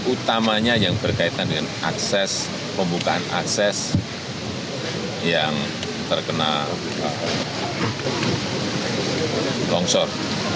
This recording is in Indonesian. utamanya yang berkaitan dengan akses pembukaan akses yang terkena longsor